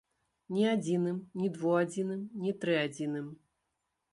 Ні адзіным, ні двуадзіным, ні трыадзіным!